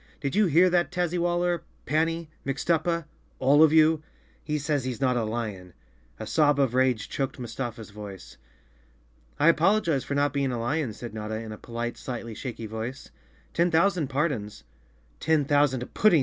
Did you hear that, Tazzywaller, Panny, Mixtuppa—all of you? He says he's not a lion." A sob of rage choked Mustafa's voice. "I apologize for not being a lion," said Notta, in a polite, slightly shaky voice. "Ten thousand pardons!" "Ten thousand puddings!"